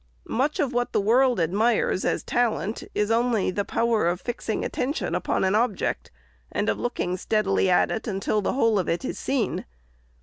Much of what the world admires as talent, is only a power of fixing attention upon an object, and of looking steadily at it until the whole of it is seen.